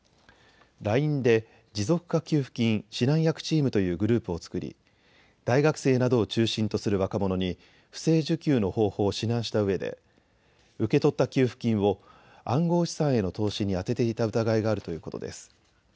ＬＩＮＥで持続化給付金指南役チームというグループを作り大学生などを中心とする若者に不正受給の方法を指南したうえで受け取った給付金を暗号資産への投資に充てていた疑いがあるということです。